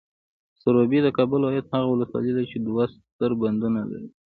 سروبي، د کابل ولایت هغه ولسوالۍ ده چې دوه ستر بندونه لري.